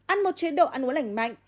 ăn một chế độ ăn uống lành mạnh